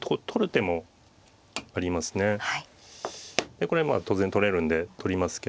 でこれ当然取れるんで取りますけど。